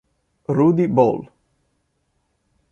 Rudi Ball